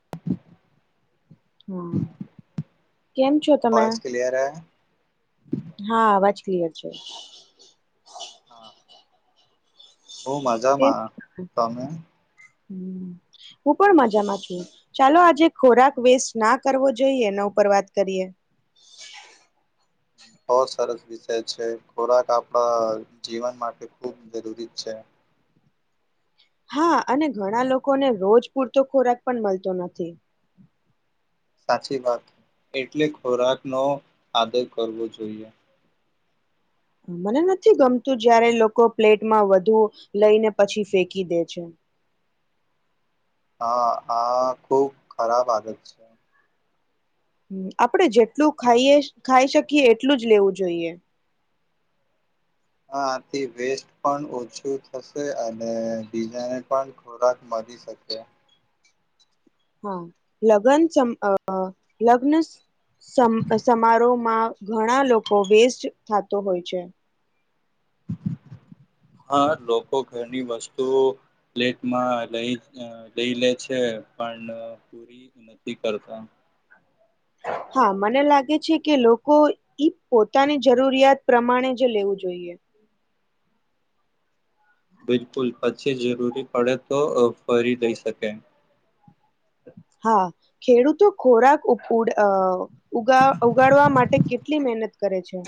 [unintelligible] હમ. કેમ છો તમે? વોઇસ ક્લિયર હે હા, અવાજ. [unintelligible] હા. હું કેમ મજામાં છો? તમે? હું પણ મજામાં છું. ચાલો, આજે ખોરાક વેસ્ટ ના કરવો જોઈએ એના ઉપર વાત કરીએ. બહુ સરસ વિષય છે. ખોરાક આપણા જીવન માટે ખૂબ જરૂરી છે. હા, અને ઘણા લોકોને રોજ પૂરતો ખોરાક પણ મળતો નથી. સાચી વાત. એટલે, ખોરાકનો આદર કરવો જોઈએ. મને નથી ગમતું, જયારે લોકો પ્લેટમાં વધુ લઈને પછી ફેંકી દે છે. હા, આ ખુબ ખરાબ આદત છે. આપડે જેટલું ખાઈએ ખાઈ શકીએ, એટલું જ લેવું જોઈએ. હા, આથી વેસ્ટ પણ ઓછું થશે અને બીજાને પણ ખોરાક મળી શકે. હા, લગ્ન લગ્ન-સમારોહમાં ઘણા લોકો વેસ્ટ થતો હોય છે. હા, લોકો ઘરની વસ્તુ પ્લેટમાં લઈ લઈ લે છે, પણ પૂરી નથી કરતા. હા, મને લાગે છે કે લોકો ઈ પોતાની જરૂરિયાત પ્રમાણે જ લેવું જોઈએ. બિલકુલ, પછી જરૂરી પડે તો ફરી લઈ શકે. હા, ખેડૂતો ખોરાક ઉગા ઉગાડવા માટે કેટલી મહેનત કરે છે.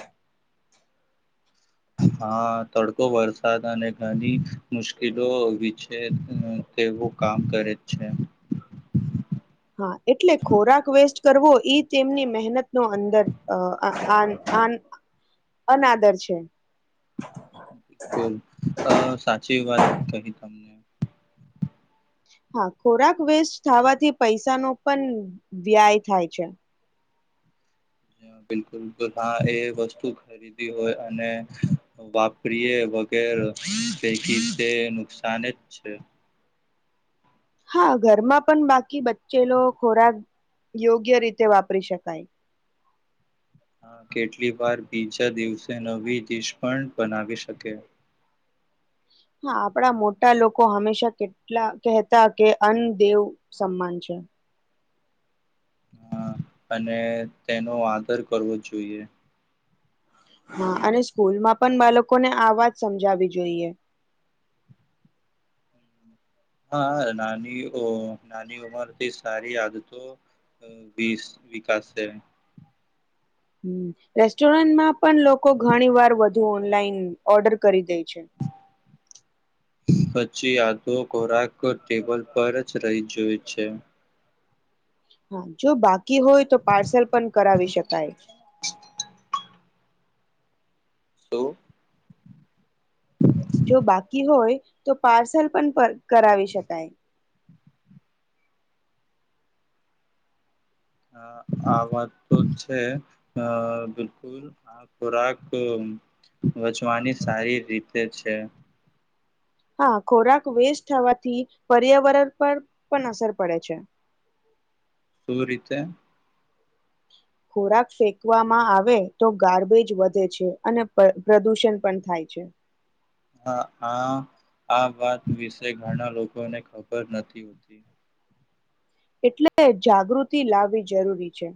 હા, તડકો, વરસાદ અને ઘણી મુશ્કેલો વિકસે છે તેવું કામ કરે જ છે. હા એટલે ખોરાક વેસ્ટ કરવો, એ તેમની મહેનત નો અંદર અનાદર છે. બિલકુલ, અ સાચી વાત. કહી, તમને. હા, ખોરાક વેસ્ટ થવાથી પૈસાનો પણ વ્યાય થાય છે. બિલકુલ. હા, એ વસ્તુ ખરીદી હોય અને વાપરીએ વગેરે પૈકી, તે નુકસાાન જ છે. હા, ઘરમાં પણ બાકી બચેલો ખોરાક યોગ્ય રીતે વાપરી શકાય. હા, કેટલી વાર બીજા દિવસે નવી ડીશ પણ બનાવી શકે. હા, આપણા મોટા લોકો હંમેશા કેટલા કહેતા કે અન્ન દેવ સમાન છે. હા, અને તેનો આદર કરવો જોઈએ. હા, અને સ્કૂલમાં પણ બાળકોને આ વાત સમજાવી જોઈએ. હા, નાની-નાની ઉંમર થી સારી આદતો વિકાસે. રેસ્ટોરન્ટમાં પણ લોકો ઘણી વાર વધુ ઓનલાઈન ઓર્ડર કરી દે છે. પછી આધો ખોરાક ટેબલ પર જ રહી જોય છે. હા, જો બાકી હોય તો, પાર્સલ પણ કરાવી શકાય. તો હ જો બાકી હોય તો પાર્સલ પણ કરાવી શકાય હ આ વાત તો છે બિલકુલ આ ખોરાક વચવાની સારી રીતે છે હા ખોરાક વેસ્ટ થવાથી પર્યાવરણ પર પણ અસર પડે છે શું રીતે ખોરાક ફેંકવામાં આવે તો ગાર્બેજ વધે છે અને પ્રદૂષણ પણ થાય છે હા આ આ વાત વિશે ઘણા લોકોને ખબર નથી હોતી એટલે જાગૃતિ લાવવી જરૂરી છે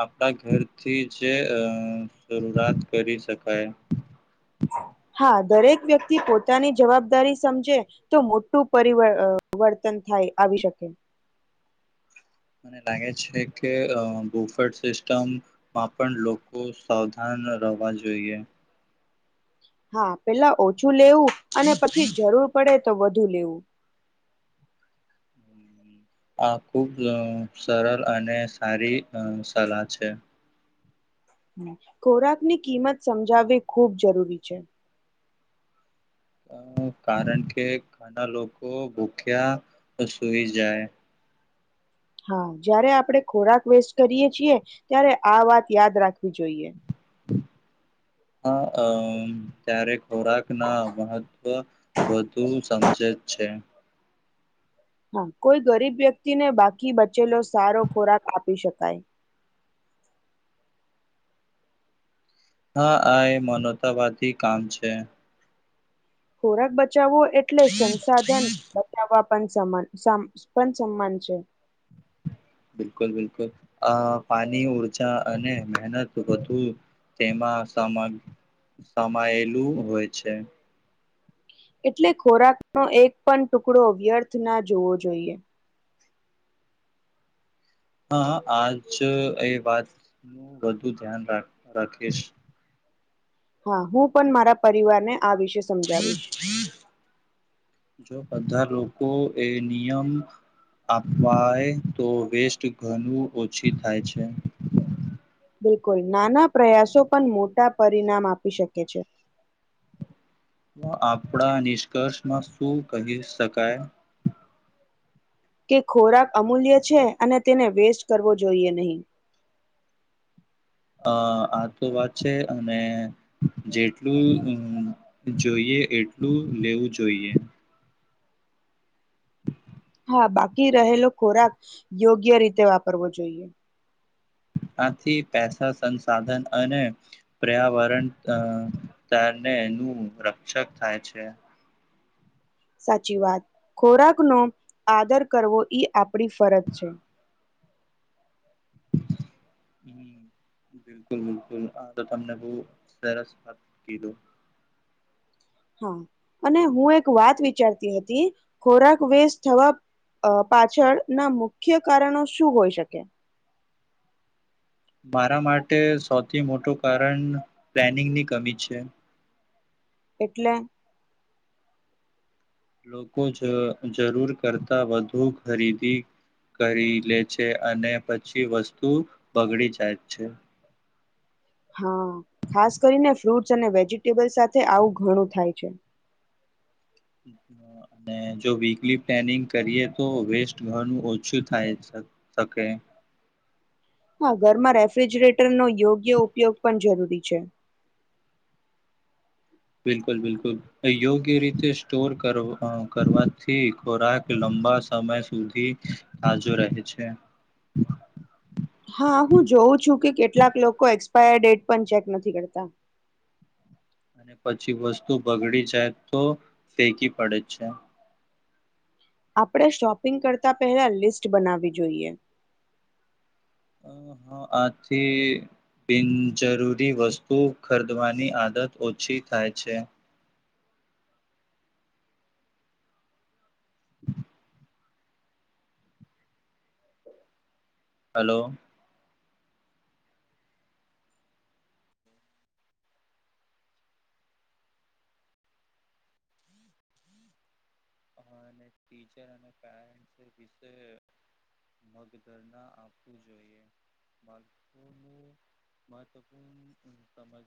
આપણા ઘરથી જે શરૂઆત કરી શકાય હા દરેક વ્યક્તિ પોતાની જવાબદારી સમજે તો મોટું પર વર્તન થાય આવી શકે મને લાગે છે કે બોફટ સિસ્ટમમાં પણ લોકો સાવધાન રહેવા જોઈએ હા પેલા ઓછું લેવું અને પછી જરૂર પડે તો વધુ લેવું આ ખુબ સરલ અને સારી સલાહ છે ખોરાકની કિંમત સમજાવવી ખૂબ જરૂરી છે કારણ કે ઘના લોકો ભૂખ્યા સુૂઈ જાય હા જારે આપણે ખોરાક વેસ્ટ કરીએ છીએ ત્યારે આ વાત યાદ રાખવી જોઈએ હા અ ત્યારે ખોરાક ના મહત્વ વધુ સમજે જ છે હા કોઈ ગરીબ વ્યક્તિને બાકી બચેલો સારો ખોરાક આપી શકાય હા આ એ મનોવતાવાથી કામ છે હોરા આખબ બચાવો એટલે સંસાધન બચવા પણ સમાન પણ સમાન છે બિલકુલ બિલકુલ અ પાણી ઉર્જા અને મહેનત વધુ તેમાં સમાયેલું હોય છે એટલે ખોરાકનો એક પણ ટુકડો અવ્યર્થ ના જોવો જોઈએ હા આજ એ વાતનુંું વધુ ધ્યાન રાખીશ હા હું પણ મારા પરિવારને આ વિશે સમજાવીશ જો બધા લોકો એ નિયમ અવાય તો વેસ્ટ ઘણું ઓછી થાય છે બિલકુલ નાના પ્રયાસો પણ મોટા પરિણામ આપી શકે છે આપણા નિષ્કર્ષમાં શું કહી શકાય કે ખોરાક અમૂલ્ય છે અને તેને વેસ્ટ કરવો જોઈએ નહીં હા આ તો વાત છે, અને જેટલું જોઈએ એટલું લેવું જોઈએ. હા બાકી રહેલો ખોરાક, યોગ્ય રીતે વાપરવો જોઈએ. આથી પેસા સંસાધન અને, પર્યાવરણને નું રક્ષક થાય છે. સાચી વાત ખોરાકનો આદર કરવો ઈ આપણી ફરજ છે. હ બિલકુલ બિલકુલ આ તો તમને બહ સરસ વાત કીધું. હા અને હું એક વાત વિચારતી હતી, ખોરાક વેશ થવા પાછળ ના મુખ્ય કારણો શું હોઈ શકે? મારા માટે સૌથી મોટું કારણ પ્લાનિંગની કમી છે. એટલે? લોકો જ જરૂર કરતા વધુ ખરીદી કરી લે છે, અને પછી વસ્તુ બગડી જાય છે. હા ખાસ કરીને ફ્રૂટસ અને વેજીિટેબલ સાથે આવું ઘણું થાય છે. અને જો વીકલી પ્લાનિંગ કરીએ તો વેસ્ટ ઘણું ઓછું થાય શ શકે. હા ઘરમાં રેફ્રિજરેટરનો યોગ્ય ઉપયોગ પણ જરૂરી છે. બિલકુલ-બિલકુલ, યોગ્ય રીતે સ્ટોર કર અહ કરવાથી ખોરાક લંબા સમય સુધી તાજો રહે છે. હા હું જોઉં છું કે કેટલાક લોકો એક્સપાયર ડેટ પણ ચેક નથી કરતા. અને પછી વસ્તુ બગડી જાય તો ફેંકી પડે છે. આપણે શોપિંગ કરતાં પહેલા લિસ્ટ બનાવવી જોઈએ. હા, હા આથી બિનજરૂરી વસ્તુ ખરીદવાની આદત ઓછી થાય છે. [inaudible] હલો. [unintelligible] મહત્વપૂર્ણ [unintelligible]